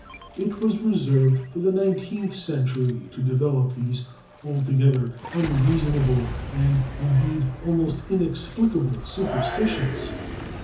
It was reserved for the nineteenth century to develop these altogether unreasonable—and indeed almost inexplicable—superstitions.